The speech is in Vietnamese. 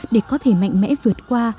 để có thể mạnh mẽ vượt qua